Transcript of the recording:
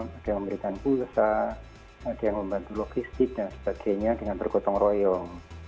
mereka memberikan pulsa mereka membantu logistik dan sebagainya dengan bergotong royong